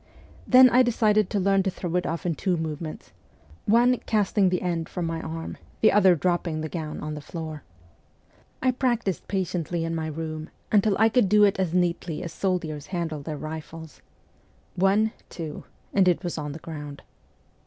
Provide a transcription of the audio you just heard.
Then I decided to learn to throw it off in two movements : one, casting the end from my arm, the other dropping the gown on the floor. I practised patiently in my room until I could do it as neatly as soldiers handle their rifles. ' One, two,' and it was on the ground.